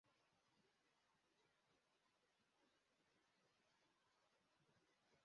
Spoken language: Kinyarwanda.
Ubushyo bwinyoni ziguruka zumurongo w'amashanyarazi zisubira mu kiraro cyazo